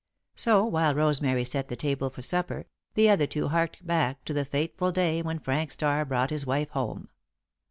So, while Rosemary set the table for supper, the other two harked back to the fateful day when Frank Starr brought his wife home.